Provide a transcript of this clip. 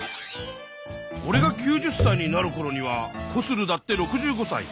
おれが９０歳になるころにはコスルだって６５歳。